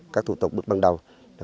các thủ tục bước ban đầu